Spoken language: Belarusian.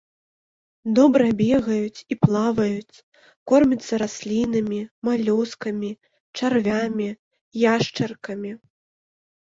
Добра бегаюць і плаваюць, кормяцца раслінамі, малюскамі, чарвямі, яшчаркамі.